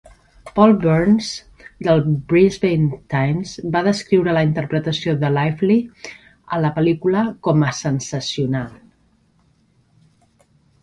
Paul Byrnes, del "Brisbane Times", va descriure la interpretació de Lively a la pel·lícula com a "sensacional".